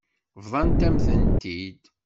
Bḍant-am-tent-id.